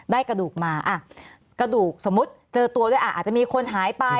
ได้กระดูกมาสมมุติเจอตัวด้วยอาจจะมีคนหายไป